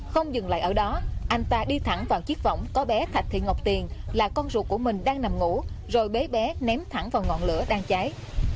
không dừng lại ở đó anh ta đi thẳng vào chiếc vỏng có bé thạch thị ngọc tiền là con ruột của mình đang nằm ngủ rồi bế bé ném thẳng vào ngọn lửa đang cháy